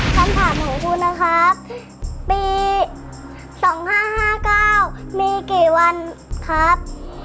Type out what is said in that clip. คำถามของคุณนะครับปี๒๕๕๙มีกี่วันครับ